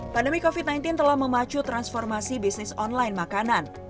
pandemi covid sembilan belas telah memacu transformasi bisnis online makanan